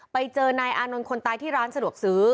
ไปเจอนายอานนท์คนตายที่ร้านสะดวกซื้อ